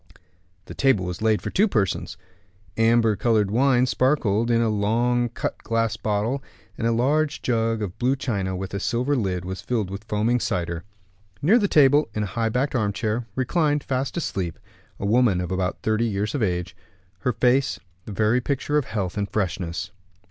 The table was laid for two persons. Amber colored wine sparkled in a long cut glass bottle; and a large jug of blue china, with a silver lid, was filled with foaming cider. Near the table, in a high backed armchair, reclined, fast asleep, a woman of about thirty years of age, her face the very picture of health and freshness.